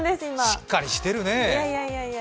しっかりしてるねぇ。